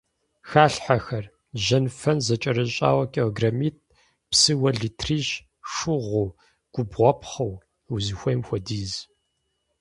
Халъхьэхэр: жьэнфэн зэкӀэрыщӀауэ килограммитӏ, псыуэ литрищ, шыгъуу, губгъуэпхъыу — узыхуейм хуэдиз.